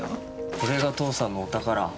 これが父さんのお宝。